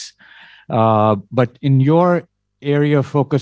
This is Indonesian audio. tetapi dalam area anda yang berfokus